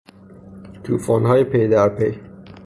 توفانهای پی در پی